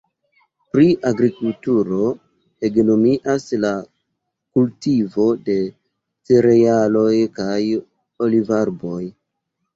Pri agrikulturo hegemonias la kultivo de cerealoj kaj olivarboj.